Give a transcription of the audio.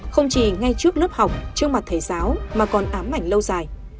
không chỉ ngay trước lớp học trước mặt thầy giáo mà còn ám ảnh lâu dài